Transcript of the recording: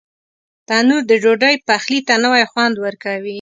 تنور د ډوډۍ پخلي ته نوی خوند ورکوي